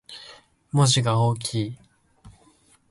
文字が大きい